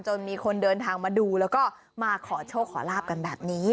มีคนเดินทางมาดูแล้วก็มาขอโชคขอลาบกันแบบนี้